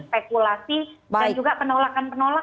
spekulasi dan juga penolakan penolakan